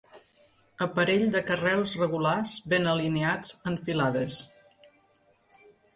Aparell de carreus regulars ben alineats en filades.